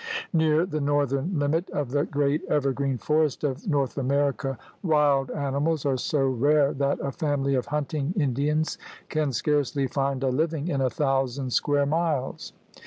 Near 94 THE RED MAN'S CONTINENT the northern limit of the great evergreen forest of North America wild animals are so rare that a family of hunting Indians can scarcely find a living in a thousand square miles.